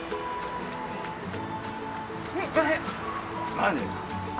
何？